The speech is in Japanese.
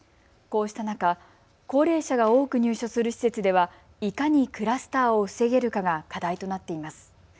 こうした中、高齢者が多く入所する施設ではいかにクラスターを防げるかが課題となっています。